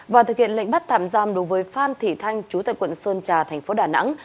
và thực hiện lệnh bắt thảm giam đối với phan thủy thanh chủ tịch quận sơn trà tp đà nẵng